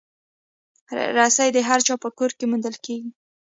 رسۍ د هر چا په کور کې موندل کېږي.